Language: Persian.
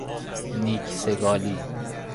نیک سگالی